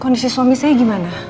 kondisi suami saya gimana